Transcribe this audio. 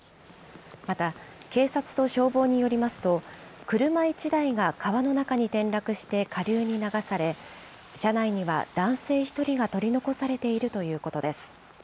警察と消防によりますと車１台が川の中に転落して下流に流され、車内には男性１人が取り残されているということです。